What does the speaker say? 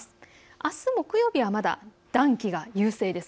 あす木曜日はまだ暖気が優勢です。